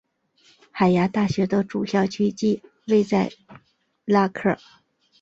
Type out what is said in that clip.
海牙大学的主校区即位在拉克。